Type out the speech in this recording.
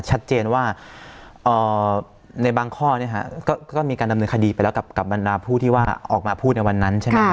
ชัดเจนว่าในบางข้อก็มีการดำเนินคดีไปแล้วกับบรรดาผู้ที่ว่าออกมาพูดในวันนั้นใช่ไหมครับ